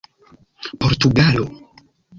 portugalo